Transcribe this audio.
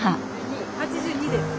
８２です。